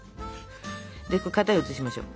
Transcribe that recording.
で型に移しましょう。